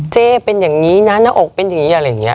เป็นอย่างนี้นะหน้าอกเป็นอย่างนี้อะไรอย่างนี้